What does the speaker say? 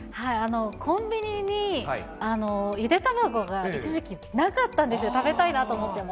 コンビニにゆで卵が一時期なかったんですよ、食べたいなと思っても。